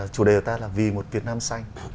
chủ đề của ta là vì một việt nam xanh